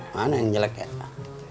mana yang jelek ya